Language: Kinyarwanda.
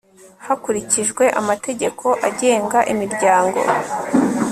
hakurikijwe amategeko agenga imiryango